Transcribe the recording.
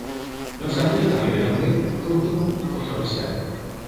No obstante, el cambio de nombre fue un tema controversial.